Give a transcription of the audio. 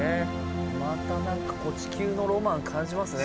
またなんか地球のロマン感じますね。